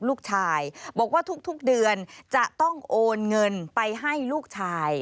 ลูกชายบอกว่าทุกเดือนจะต้องโอนเงินไปให้ลูกชาย